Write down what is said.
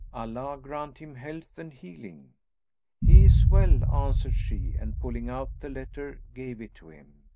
Allah grant him health and healing!" "He is well," answered she and pulling out the letter gave it to him.